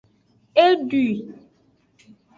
E dwui.